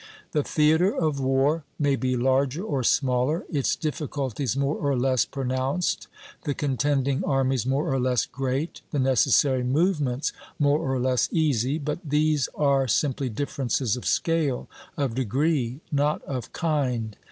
The theatre of war may be larger or smaller, its difficulties more or less pronounced, the contending armies more or less great, the necessary movements more or less easy, but these are simply differences of scale, of degree, not of kind.